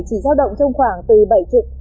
chỉ giao động trong khoảng từ bảy triệu